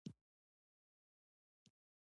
درناوی د ژوند د ټولو برخو سره اړیکه لري.